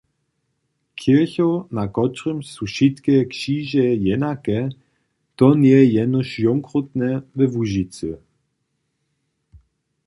Kěrchow, na kotrymž su wšitke křiže jenake, to njeje jenož jónkrótne we Łužicy.